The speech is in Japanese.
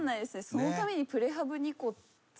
そのためにプレハブ２個建てるって。